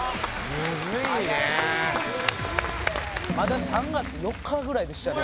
ムズいねまだ３月４日ぐらいでしたね